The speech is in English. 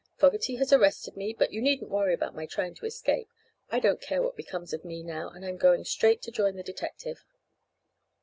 Fogerty has arrested me, but you needn't worry about my trying to escape. I don't care what becomes of me, now, and I'm going straight to join the detective."